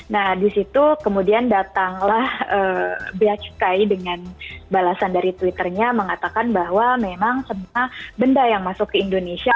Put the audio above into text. nah disitu kemudian datanglah beacukai dengan balasan dari twitternya mengatakan bahwa memang semua benda yang masuk ke indonesia